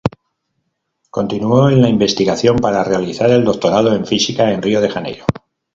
Continuó en la investigación para realizar el doctorado en física en Río de Janeiro.